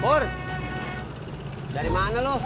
pur dari mana lu